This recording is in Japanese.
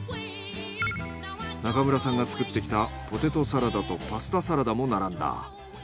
中村さんが作ってきたポテトサラダとパスタサラダも並んだ。